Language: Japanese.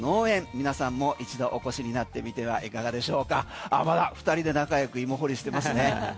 皆さんもも一度お越しになってみてはいかがでしょうかまだ２人で仲よく芋掘りしてますね。